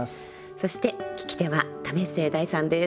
そして聞き手は為末大さんです。